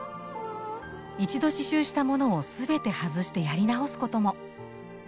一度刺しゅうしたものを全て外してやり直すことも。